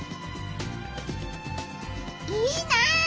いいなあ！